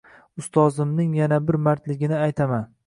Ustozimning yana bir mardligini aytaman.